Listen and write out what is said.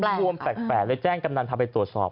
รวมแปลกเลยแจ้งกำนันทำไปตรวจสอบ